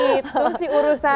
itu sih urusnya